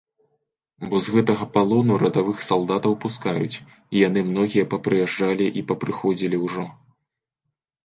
Бо з гэтага палону радавых салдатаў пускаюць, і яны многія папрыязджалі і папрыходзілі ўжо.